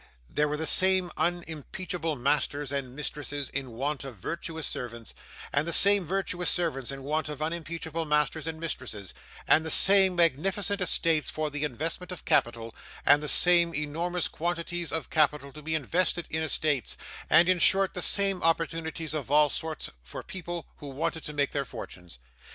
There were the same unimpeachable masters and mistresses in want of virtuous servants, and the same virtuous servants in want of unimpeachable masters and mistresses, and the same magnificent estates for the investment of capital, and the same enormous quantities of capital to be invested in estates, and, in short, the same opportunities of all sorts for people who wanted to make their fortunes.